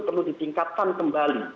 perlu ditingkatkan kembali